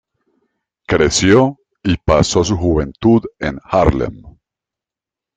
Creció y pasó su juventud en Harlem.